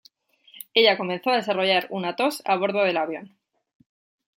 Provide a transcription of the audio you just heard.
Ella comenzó a desarrollar una tos a bordo del avión.